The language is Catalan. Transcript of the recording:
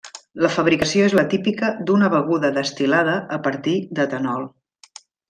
La fabricació és la típica d'una beguda destil·lada a partir d'etanol.